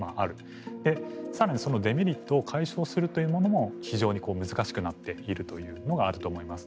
で更にそのデメリットを解消するというものも非常に難しくなっているというのがあると思います。